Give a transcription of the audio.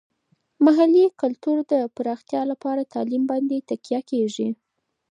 د محلي کلتور د پراختیا لپاره تعلیم باندې تکیه کیږي.